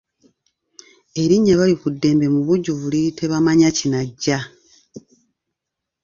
Erinnya Balikuddembe mu bujjuvu liri Tebamanya kinajja.